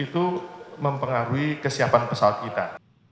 itu mempengaruhi kesiapan pesawat kita